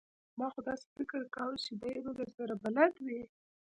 ما خو داسې فکر کاوه چې دی به درسره بلد وي!